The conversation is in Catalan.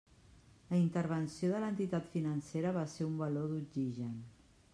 La intervenció de l'entitat financera va ser un baló d'oxigen.